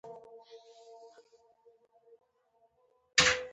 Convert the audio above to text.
دلته راشه کنه